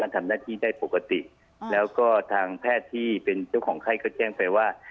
ทำหน้าที่ได้ปกติแล้วก็ทางแพทย์ที่เป็นเจ้าของไข้ก็แจ้งไปว่า